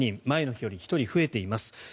前の日より１人増えています。